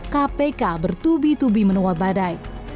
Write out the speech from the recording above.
kpk bertubi tubi menua badai